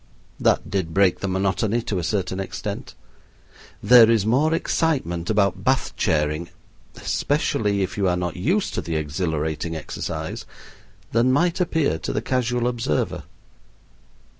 That did break the monotony to a certain extent. There is more excitement about Bath chairing especially if you are not used to the exhilarating exercise than might appear to the casual observer.